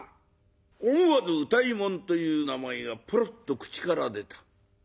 思わず歌右衛門という名前がポロッと口から出た。